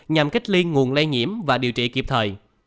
nhằm kết liên nguồn lây nhiễm và điều trị kịp thời